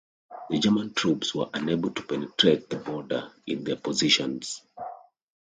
The German troops were unable to penetrate the border in their positions.